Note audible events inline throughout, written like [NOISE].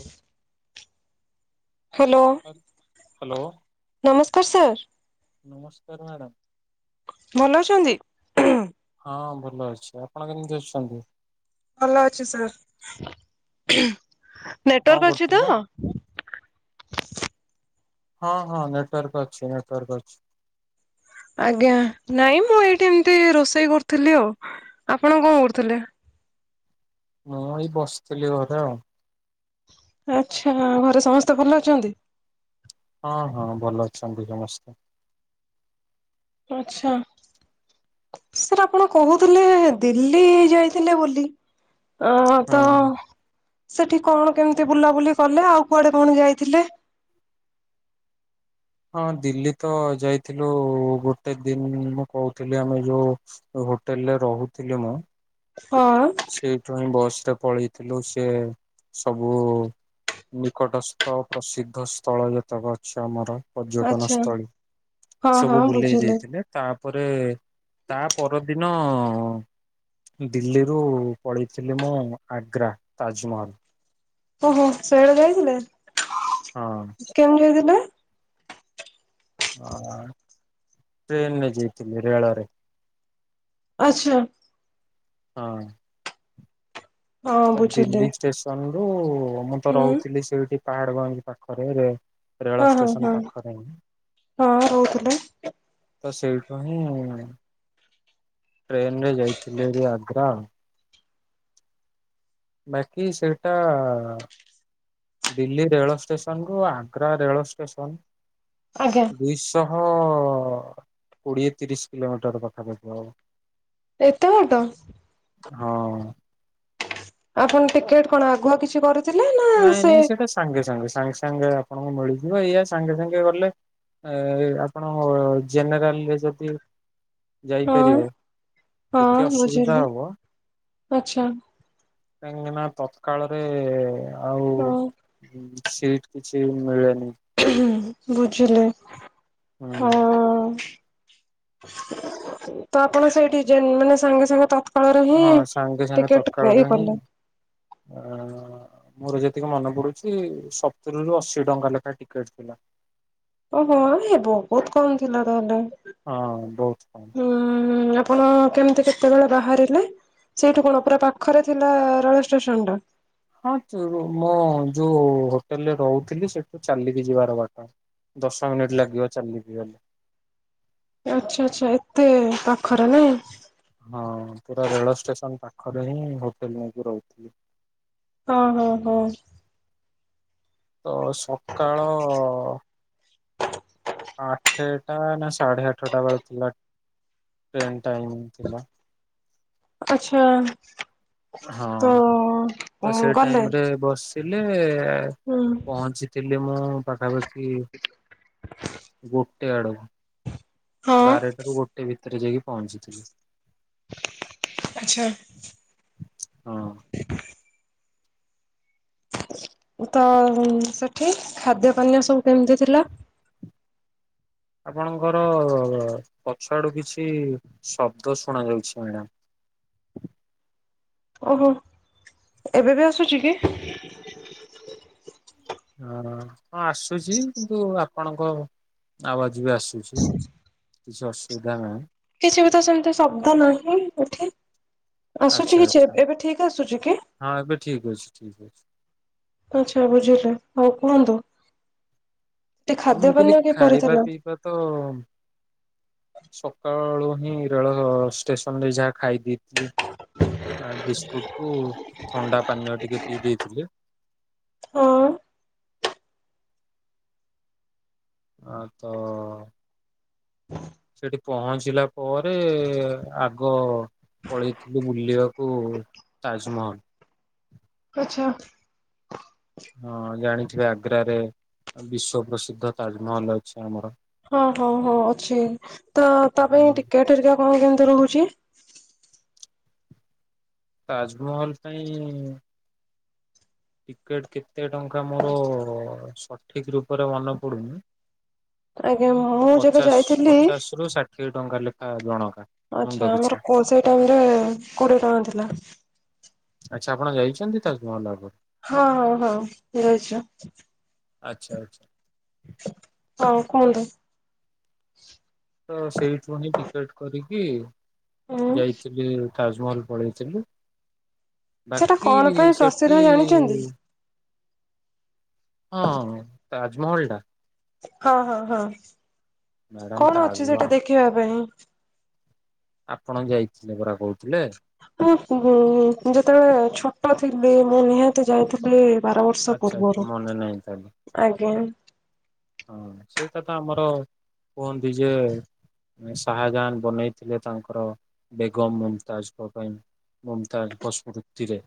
Hello hello hello ନମସ୍କାର sir. ନମସ୍କାର madam. ଭଲ ଅଛନ୍ତି? ହଁ ଭଲ ଅଛି ଆପଣ କେମିତି ଅଛନ୍ତି? ଭଲ ଅଛି ସାର୍ [UNINTELLIGIBLE] କଣ ନେଟୱାର୍କ ଅଛି ତ? କରୁଥିଲେ? ହଁ ହଁ ନେଟୱାର୍କ ଅଛି ନେଟୱାର୍କ ଅଛି। ଆଜ୍ଞା ନାଇଁ ମୁଁ ଏଇଠି ଏମତି ରୋଷେଇ କରୁଥିଲି ଆଉ ଆପଣ କଣ କରୁଥିଲେ? ମୁଏଇ ବସିଥିଲି ଘରେ ଆଉ। ଆଚ୍ଛା ଘରେ ସମସ୍ତେ ଭଲ ଅଛନ୍ତି? ହଁ ହଁ ଭଲ ଅଛନ୍ତି ସମସ୍ତେ। ଆଚ୍ଛା। ସାର୍ ଆପଣ କହୁଥିଲେ ଦିଲ୍ଲୀ ଯାଇଥିଲେ ବୋଲି? ଅଁ ହଁ ତ ସେଠି କଣ କେମିତି ବୁଲାବୁଲି କଲେ ଆଉ କୁଆଡ଼େ କଣ ଯାଇଥିଲେ? ହଁ ଦିଲ୍ଲୀତ ଯାଇଥିଲୁ ଗୋଟେ ଦିନ ମୁଁ କହୁଥିଲି ଆମେ ଯୋଉ ହୋଟେଲରେ ରହୁଥିଲି ମୁଁ ହଁ। ସେଇଠୁହି ବସରେ ପଳେଇଥିଲୁ ସେସବୁ ନିକଟସ୍ଥ ପ୍ରସିଦ୍ଧ ସ୍ଥଳ ଯେତେକ ଅଛି ଆମର। ପର୍ଯ୍ୟଟନ ଆଚ୍ଛା ସ୍ଥଳୀ ହଁ ହଁ ସବୁ ବୁଲେଇ ବୁଝିଲି। ଦେଇଥିଲେ। ତାପରେ ତାପରଦିନ ଦିଲ୍ଲୀ ରୁ ପଳିଥିଲି ମୁଁ ଆଗ୍ରା ତାଜମହଲ। ଓହୋ ସେଆଡ଼େ ଯାଇଥିଲେ? ହଁ। କେମିତି ଯାଇଥିଲେ? ଅଁ। ଟ୍ରେନରେ ଯାଇଥିଲି ରେଳରେ। ଆଚ୍ଛା। ହଁ। ହଁ ତ ବୁଝିଲି ଦିଲ୍ଲୀ ଷ୍ଟେସନରୁ ମୁତ ହୁଁ ରହୁଥିଲି ସେଇଠି ପାହାଡ଼ଗଞ୍ଜ ପାଖରେରେ ହଁ ହଁ ହଁ ହଁ ରହୁଥିଲେ। ତ ସେଇଠୁହିଁ ଟ୍ରେନରେ ଯାଇଥିଲି ହାରି ଆଗ୍ରା। ବାକି ସେଇଟା ଦିଲ୍ଲୀ ରେଳ ଷ୍ଟେସନରୁ ଆଗ୍ରା ରେଳ ଷ୍ଟେସନ ଆଜ୍ଞା। ଦୁଇଶହ କୋଡ଼ିଏ ତିରିଶି କିଲୋମିଟର୍ ପାଖାପାଖି ହବ। ଏତେ ବାଟ? ହଁ। ଆପଣ ଟିକେଟ୍ କଣ ଆଗୁଆ କିଛିକରି ନାଇଁ ନାଇଁ ସେଇଟା ସାଙ୍ଗେ ସାଙ୍ଗେ ସାଙ୍ଗେ ସାଙ୍ଗେ ଆପଣଙ୍କୁ ମିଳିଯିବ ଏଇଆ ସାଙ୍ଗେ ସାଙ୍ଗେ ଗଲେ ଏ ଆପଣ ଅଁ ଜେନେରାଲରେ ଯଦି ହଁ ଯାଇପାରିବେ ହଁ ଟିକେ ଅସୁବିଧା ବୁଝିଲି ହବ ଆଚ୍ଛା। କାହିଁକିନା ତତ୍କାଳରେ ଆଉ ହଁ ସିଟ୍ କିଛି ମିଳେନି। ହୁଁ ବୁଝିଲି ହୁଁ ଆଉ [UNINTELLIGIBLE] ତଆପଣ ସେଇଠି ଜେନ୍ ମାନେ ସାଙ୍ଗେ ସାଙ୍ଗେ ତତ୍ ହଁ ଫଳରେହିଁ ସାଙ୍ଗେ ଟିକେଟ୍ ଇଏ କଲେ? ଅଁ ମୋର ଯେତିକି ମନେ ପଡ଼ୁଚି ସତୁରିରୁ ଅଶି ଟଙ୍କା ଲେଖାଏ ଟିକେଟ୍ ଥିଲା। ଓହୋ ହେ ବହୁତ୍ କମ୍ ଥିଲା ତାହେଲେ। ହଁ, ବହୁତ୍ କମ୍। ଉଁ, ଆପଣ କେମିତି, କେତେବେଳେ, ବାହାରିଲେ? ସେଇଠୁ, କଣ ପୁରା ପାଖରେ ଥିଲା, ରେଳ ଷ୍ଟେସନଟା? ହଁ, ତ ମୁଁ ଯୋଉ ହୋଟେଲରେ ରହୁଥିଲି, ସେଠୁ ଚାଲିକି ଯିବାର ବାଟ। ଦଶ ମିନିଟ୍, ଲାଗିବ ଚାଲିକି ଗଲେ। ଆଚ୍ଛା, ଆଚ୍ଛା ଏତେ ପାଖରେ ନାଇଁ। ହଁ, ପୁରା ରେଳ ଷ୍ଟେସନ ପାଖରେହିଁ, ହୋଟେଲ୍ ନେଇକି ରହୁଥିଲି। ହଁ, ହଁ, ହଁ। ତ ସକାଳ। ଆଠେଟା ନା ସାଢ଼େ ଆଠଟା ବେଳେ ଥିଲା ଟ୍ରେନ୍ ଟାଇମଂ ଥିଲା। ଆଚ୍ଛା। ହଁ ତ ତ ସେଇ ଗଲେ ଟାଇମ ରେ ବସିଲି ହୁଁ। ପହଞ୍ଚି। ଚିଲି ମୁଁ, ପାଖା ପାଖି ଗୋଟେ ଆଡକୁ। ହଁ ବାରେ ଟାରୁ ଗୋଟେ ଭିତରେ ଯାଇକି ପହଞ୍ଚି ଥିଲି। ଆଚ୍ଛା। ହଁ। ତ, ସେଠି ଖାଦ୍ୟ ପାନୀୟ ସବୁ କେମିତି ଥିଲା। ଆପଣଙ୍କ ର ପଛ ଆଡୁ କିଛି ଶବ୍ଦ ଶୁଣା ଯାଉଛି, ମ୍ୟାଡାମ। ଓହୋ, ଏବେ ବି ଆସୁଛି କି? ଆଁ, ହଁ ଆସୁଛି କିନ୍ତୁ, ଆପଣଙ୍କ ଆବାଜ ବି ଆସୁଛି। କିଛି ଅସୁବିଧା ନାହିଁ। କିଛି ବି ତ ସେମିତି ଶବ୍ଦ ନାହିଁ ଏଠି ଆସୁଛି ଆଚ୍ଛା କିଛି ଆଚ୍ଛା ଏବେ ଠିକ ଆସୁଛି କି? ହଁ, ଏବେ ଠିକ ଅଛି ଠିକ୍ ଅଛି। ଆଚ୍ଛା ବୁଝିଲି ହଉ କୁହନ୍ତୁ, ସେ ଆଉ ଖାଦ୍ୟ ମୁଁ କହିଲି ପାନୀୟ ଖାଇବା କିପରିଥିଲା? ପିଇବା ତ। ସକାଳୁ ହିଁ, ରେଳ ଷ୍ଟେସନ ରେ ଯାହା ଖାଇ ଦେଇଥିଲି। ଆ ବିସ୍କୁଟୁ ଥଣ୍ଡା ପାନୀୟ ଟିକେ ପିଇ ଦେଇଥିଲି।। ହଁ। ଆଁ ତ ସେଠି। ପହଞ୍ଚିଲା ପରେ, ଆଗ। ପଳେଇ ଥିଲି ବୁଲିବାକୁ ତାଜମହଲ। ଆଚ୍ଛା। ହଁ ଜାଣିଥିବେ ଆଗ୍ରାରେ ବିଶ୍ଵ ପ୍ରସିଦ୍ଧ ତାଜମହଲ ଅଛି ଆମର। ହଁ, ହଁ, ହଁ ଅଛି ତ, ତା ପାଇଁ ଟିକେ ହରିକା କଣ କେମିତି ରହୁଛି? ତାଜମହଲ ପାଇଁ। ଟିକେଟ‌ କେତେ ଟଙ୍କା ମୋର ସଠିକ ରୂପରେ ମନେ ପଡୁନି। ଆଜ୍ଞା ମୁଁ ଯେବେ ପଚାଶ ଯାଇଥିଲି। ପଚାଶ ରୁ ଷାଠିଏ ଟଙ୍କା, ଲେଖା ଜଣକା। ମୁଣ୍ଡ ଆଚ୍ଛା। ପିଛା ଆମର କୋ ସେ ଟାଇମ ରେ କୋଡିଏ ଟଙ୍କା ଥିଲା। ଆଚ୍ଛା ଆପଣ ଯାଇଛନ୍ତି ତାଜମହଲ ଆଗରୁ। ହଁ, ହଁ, ହଁ ଯାଇଛି। ଆଚ୍ଛା, ଆଚ୍ଛା। ଆଉ କୁହନ୍ତୁ। ତ ସେଇଠୁ ହିଁ, ଟିକେଟ କରିକି ଉଁ ଯାଇଥିଲି। ତାଜମହଲ ପଳେଇଥିଲୁ। ସେଟା, କଣ ପାଇଁ ସେଠି ପ୍ରସିଦ୍ଧ ଜାଣିଛନ୍ତି। ହଁ, ତାଜମହଲ ଟା। ହଁ, ହଁ, ହଁ ମ୍ୟାଡାମ କଣ ଅଛି ତାଜମହଲ ସେଠି ଦେଖିବା ପାଇଁ? ଆପଣ, ଯାଇଥିଲେ ପରା କହୁଥିଲେ। ହଁ, ଉଁ ଯେତେ ବେଳେ ଛୋଟ ଥିଲି ମୁଁ ନିହାତି। ତି ଯାଇଥିଲି ବାର ବର୍ଷ ଆଚ୍ଛା ଆଚ୍ଛା ପୂର୍ବରୁ ମନେ ନାହିଁ ତାହେଲେ ଆଜ୍ଞା। ହଁ ସେଇଟା ତ ଆମର କୁହନ୍ତି ଯେ। ଶାହାଜାନ ବନେଇଥିଲେ ତାଙ୍କର ବେଗମ ମୁମତାଜଙ୍କ ପାଇଁ। ମୁମତାଜ ଙ୍କ ସ୍ମର୍ତି ରେ।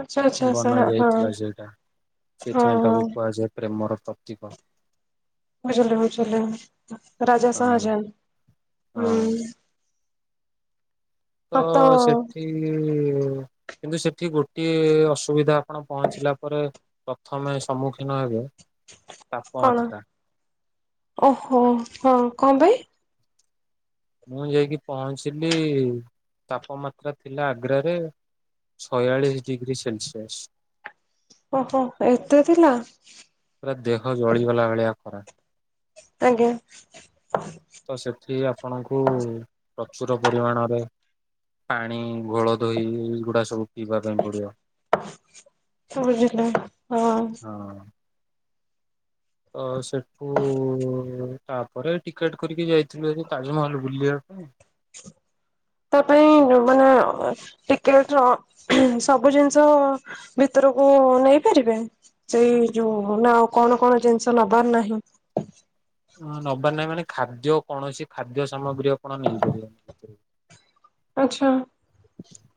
ଆଚ୍ଛା ଆଚ୍ଛା ଆଚ୍ଛା ବନା ହଁ ହଁ ଯାଇଥିଲା ସେଇଟା ସେଥି ପାଇଁ ହଁ ତାକୁ କୁହାଯାଏ ପ୍ରେମର ପ୍ରତୀକ। ବୁଝିଲି ବୁଝିଲି ରାଜା ହଁ ସହାଜନ ହଁ ହୁଁ। ତ ସେଠି କିନ୍ତୁ ସେଠି ଗୋଟିଏ ଅସୁବିଧା। ଆପଣ ପହଞ୍ଚିଲା ପରେ ପ୍ରଥମେ ସମ୍ମୁଖୀନ ହେବେ କଣ ତାପମାତ୍ରା ଓହୋ ହଁ କଣ ପାଇଁ? ମୁଁ ଯାଇକି ପହଞ୍ଚିଲି ତାପମାତ୍ରା ଥିଲା ଆଗ୍ରରେ। ଚୟାଲିସ ଡିଗ୍ରୀ ସେଲସିଆସ। ଓହୋ ଏତେ ଥିଲା। ପୁରା ଦେହ ଜଳିଗଲା ଭଳିଆ ଖରା। ଆଜ୍ଞା ତ ସେଠି ଆପଣଙ୍କୁ ପ୍ରଚୁର ପରିମାଣରେ। ପାଣି ଘୋଳ ଦହି ଏଇଗୁଡା ସବୁ ପିଇବା ପାଇଁ ପଡିବ ବୁଝିଲି ହଁ। ହଁ ତ ସେଠୁ ତାପରେ ଟିକେଟ କରିକି ଯାଇଥିଲୁ ଏ ତାଜମହଲ ବୁଲିବା ପାଇଁ ତା ପାଇଁ ମାନେ ଟିକେଟ ର ସବୁ ଜିନିଷ। ଭିତରକୁ ନେଇପାରିବେ ସେଇ ଯୋଉ ନା ଆଉ କଣ କଣ ଜିନିଷ ନବାର ନାହିଁ ହ ନବାର ନାହିଁ ମାନେ ଖାଦ୍ୟ କୌଣସି ଖାଦ୍ୟ ସାମଗ୍ରୀ ଆପଣ ନେଇପାରିବେନି। ଭିତରକୁ। ଆଛା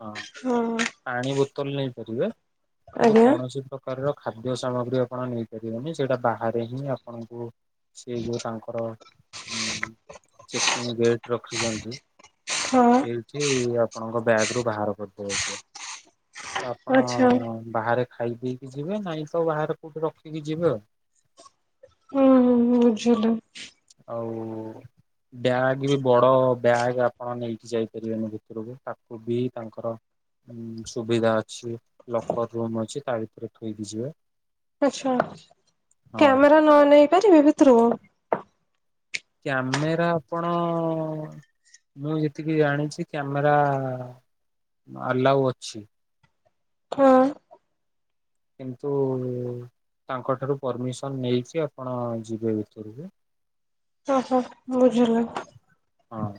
ହଁ ପାଣି ବୋତଲ ନେଇପାରିବେ କିନ୍ତୁ ଆଜ୍ଞା କୌଣସି ପ୍ରକାରର ଖାଦ୍ୟ ସାମଗ୍ରୀ ଆପଣ ନେଇପାରିବେନି ସେଇଟା ବାହାରେ ହିଁ ଆପଣଙ୍କୁ ସେ ଯୋଉ ତାଙ୍କର ଉ ଚେକିଂ ଗେଟ ରଖିଛନ୍ତି। ହଁ ଠୀ ଆପଣଙ୍କ ବ୍ୟାଗ ରୁ ବାହାର କରିଦେବେ ସେ ତ ଆପଣ। ଆଚ୍ଛା ବାହାରେ ଖାଇ ପିଇକି ଯିବେ ନାଇଁ ତ ବାହାରେ କୋଉଠି ରଖିକି ଯିବେ ଆଉ। ହୁଁ ବୁଝିଲ। ଆଉ ବ୍ୟାଗ ବି ବଡ ବ୍ୟାଗ ଆପଣ ନେଇକି ଯାଇପାରିବେନି ଭିତରକୁ ତାକୁ ବି ତାଙ୍କର ସୁବିଧା ଅଛି ଲକର ରୁମ ଅଛି ତା ଭିତରେ ଥୋଇକି ଯିବେ। ଆଛା ହଁ। କ୍ୟାମେରା ନ ନେଇପାରିବି ଭିତରକୁ କ୍ୟାମେରା ଆପଣ। ମୁଁ ଯେତିକି ଜାଣିଛି କ୍ୟାମେରା ଆଲାଉ ଅଛି। ହଁ କିନ୍ତୁ ତାଙ୍କ ଠାରୁ ପରମିସନ ନେଇକି ଆପଣ ଯିବେ ଭିତରକୁ ଓହୋ ବୁଝିଲେ ହଁ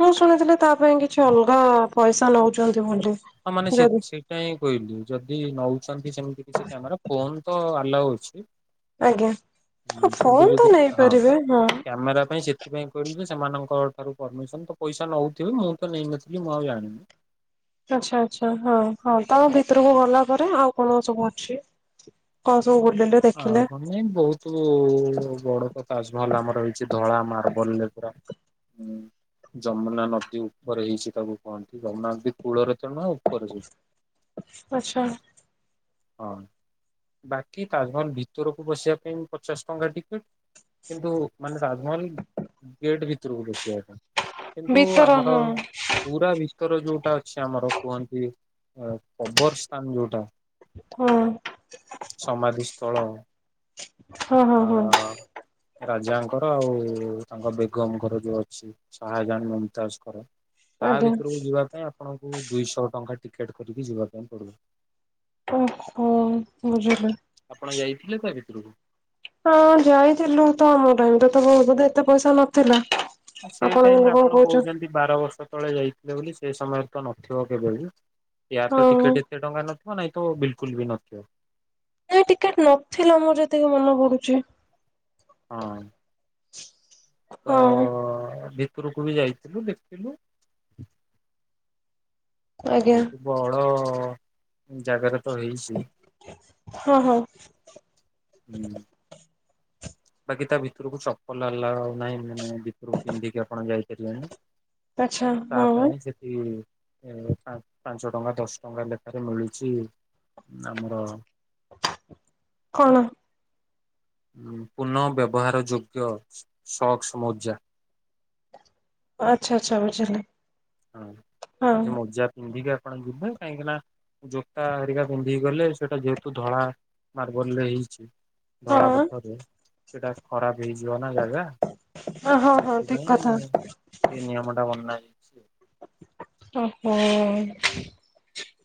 ମୁଁ ଶୁଣିଥିଲି ତା ପାଇଁ କିଛି ଅଲଗା ପଇସା ନଉଛନ୍ତି ବୋଲି। ହଁ ମାନେ ସେ ଯଦି ସେଇଟା ହି କହିଲି ଯଦି ନଉ ସେମତି କିଛି କ୍ୟାମେରା ଫୋନ ତ ଆଲଉ ଅଛି ଆଜ୍ଞା ହ ହୁଁ କିନ୍ତୁ ଫୋନ ତ ଯଦି ହଁ ନେଇପାରିବେ ହଁ କ୍ୟାମେରା ପାଇଁ ସେ ସେଥିପାଇଁ କହିଲି ଯେ ସେମାନଙ୍କ ଠାରୁ ପରମିସନ ତ ପଇସା ନଉଥିବେ ମୁଁ ତ ନେଇନଥିଲି ମୁଁ ଆଉ ଜାଣିନି। ଆଛା ଆଚ୍ଛା ହଁ ହଁ ତାଙ୍କ ଭିତରକୁ ଗଲା ପରେ ଆଉ କଣ ସବୁ ଅଛି। କ ସବ ବୁଲିଲ ଆଉ ଦେଖିଲେ। କଣ ନାଇଁ ବହୁତ ବଡ ତ ତାଜମହଲ ଆମର ହେଇଛି ଧଳା ମାର୍ବଲରେ ପୁରା ହୁଁ ଯମୁନା ନଦୀ ଉପରେ ହେଇଛି ତାକୁ କହନ୍ତି ଯମୁନା ନଦୀ କୂଳରେ ତେଣୁ ଉପରେ ସେ ଆଛା ହଁ ବାକି ତାଜମହଲ ଭିତରକୁ ବସିବା ପାଇଁ ପଚାଶ ଟଙ୍କା ଟିକେଟ କିନ୍ତୁ ମାନେ ତାଜମହଲ ଗେଟ୍ ଭିତରକୁ ବସିବା ପାଇଁ କିନ୍ତୁ ଭିତର ଆମର ହଁ ପୁରା ଭିତର ଯୋଉଟା ଅଛି ଆମର କୁହନ୍ତି କବରସ୍ଥାନ ଯୋଉଟା ହଁ। ସମାଧିସ୍ଥଳ ହଁ ହଁ ଆ ହଁ ରାଜାଙ୍କର ଆଉ ତାଙ୍କ ବେଗମଙ୍କର ଯୋଉ ଅଛି ଶହାଜାନ୍ ମୁମତାଜଙ୍କର ତା ଆଜ୍ଞା ଭିତରକୁ ଯିବା ପାଇଁ ଆପଣଙ୍କୁ ଦୁଇଶହ ଟଙ୍କା ଟିକେଟ କରିକି ଯିବା ପାଇଁ ପଡିବ। ଓହୋ ବୁଝିଲି। ଆପଣ ଯାଇଥିଲେ ତା ଭିତରକୁ? ହଁ ଯାଇଥିଲୁ ତ ଆମ ଟାଇମ ତ ତ ବହୁତ ବୋଧେ ଏତେ ପଇସା ନଥିଲା। ସେଇ ଆପଣ ଟାଇମରେ କିନ୍ତୁ କଣ ଆପଣ କହୁଛ କହୁଛନ୍ତି ବାର ବର୍ଷ ତଳେ ଯାଇଥିଲେ ବୋଲି ସେ ସମୟରେ ତ ନଥିବ କେବେ ବି ୟାର ତ ହଁ ଟିକେଟ ଏତେ ଟଙ୍କା ନଥିବ ନାଇଁ ତ ବିଲକୁଲ ବି ନଥିବ। ଏ ଟିକେଟ ନଥିଲା ମୋର ଯେତିକି ମନେ ପଡୁଛି। ହଁ। [INAUDIBLE] ତ ଭିତରକୁ ବି ଯାଇଥିଲୁ ଦେଖିଲୁ ଆଜ୍ଞା ବହୁତୁ ବଡ ଜାଗାରେ ତ ହେଇଛି ହଁ ହଉ ହୁଁ। ବାକି ତା ଭିତରୁକୁ ଚପଲ ଆଲାଉ ନାହିଁ ମେନେ ଭିତରକୁ ପିନ୍ଧିକି ଆପଣ ଯାଇପାରିବେନି। ଆଚ୍ଛା ତା ହଁ ପାଇଁ ସେଠି ଏ ପା ପାଞ୍ଚ ଟଙ୍କା ଦଶ ଟଙ୍କା ଲେଖାରେ ମିଳୁଛି ଆମର କଣ? ପୁନଃ ବ୍ୟବହାର ଯୋଗ୍ୟ ସକ୍ସ ମୋଜା। ଆଚ୍ଛା ଆଚ୍ଛା ବୁଝିଲି। ହଁ ହଁ ସେ ଯୋଉ ମୋଜା ପିନ୍ଧିକି ଆପଣ ଯିବେ କାହିଁକି ନା ଜୋତା ହେରିକା ପିନ୍ଧିକି ଗଲେ ସେଇଟା ଯେହେତୁ ଧଳା ମାର୍ବଲରେ ହେଇଛି ହଁ ଧଳା ପଥରରେ ସେଟା ଖରାପ ହେଇଯିବ ନା ଜାଗା! ହଁ ହଁ ଠିକ ସେଥିପାଇଁ କଥା ଏଇ ନିୟମଟା ବନା ହେଇଛି ଆଉ। ଓହୋ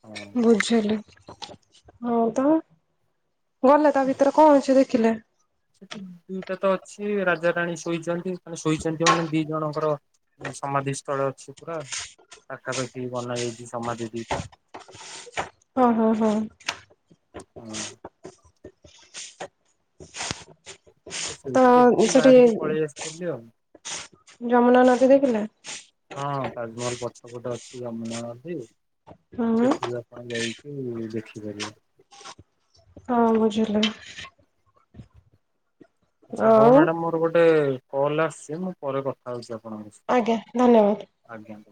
ହଁ ବୁଝିଲି। ହଉ ତ ଗଲେ ତା ଭିତରେ କଣ ଅଛି ଦେଖିଲେ? ସେଠି ଦୁଇଟା ତ ଅଛି ରାଜାରାଣୀ ଶୋଇଛନ୍ତି ମାନେ ଶୋଇଛନ୍ତି ମାନେ ଦି ଜଣଙ୍କର ସମାଧି ସ୍ଥଳ ଅଛି ପୁରା ପାଖାପାଖି ବନା ଯାଇଛି ସମାଧି ଦି ଟା। ହଁ ହଁ ହଁ। ହଁ। [UNINTELLIGIBLE] ତ ସେଇଠୁ ଦେଖିକି ସେଠି ବାହାରିକି ପଳେଇ ଆସିଥିଲି ଆଉ ଯମୁନା ନଦୀ ଦେଖିଲେ? ହଁ ତାଜମହଲ ପଛ ପଟେ ଅଛି ଯମୁନା ନଦୀ ହୁଁ ସେଠି [UNINTELLIGIBLE] [UNINTELLIGIBLE] ଯାଇକି ଦେଖିପାରିବେ। ହଁ ବୁଝିଲି। ଆଚ୍ଛା ହଉ ଆଉ ମ୍ୟାଡ଼ମ ମୋର ଗୋଟେ କଲ ଆସୁଛି ମୁଁ ପରେ କଥା ହଉଛି ଆପଣଙ୍କ ସ ଆଜ୍ଞା ଧନ୍ୟବାଦ। ଆଜ୍ଞା।